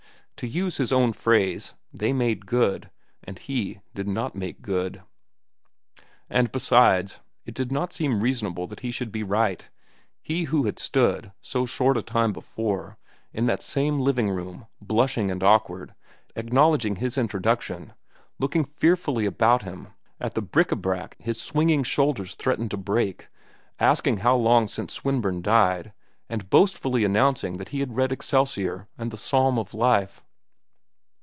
To use his own phrase, they made good, and he did not make good. And besides, it did not seem reasonable that he should be right—he who had stood, so short a time before, in that same living room, blushing and awkward, acknowledging his introduction, looking fearfully about him at the bric a brac his swinging shoulders threatened to break, asking how long since Swinburne died, and boastfully announcing that he had read "Excelsior" and the "Psalm of Life."